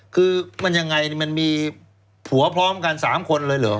คือมันยังไงมันมีผัวพร้อมกัน๓คนเลยเหรอ